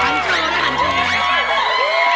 หาติกหาติกหาติกหาติก